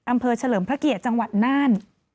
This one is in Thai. อำเภอเฉลิมพระเกียรติจังหวัดนาน